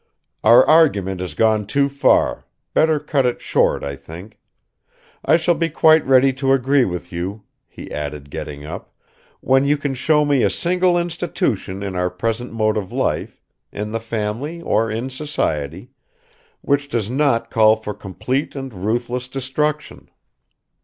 "Our argument has gone too far ... better cut it short, I think. I shall be quite ready to agree with you," he added, getting up, "when you can show me a single institution in our present mode of life, in the family or in society, which does not call for complete and ruthless destruction."